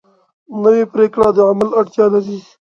نوې پریکړه د عمل اړتیا لري